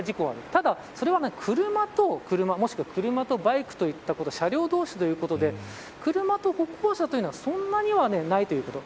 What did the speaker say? ただ、それは車と車もしくは車とバイクという車両同士ということで車と歩行者というのはそんなには、ないということ。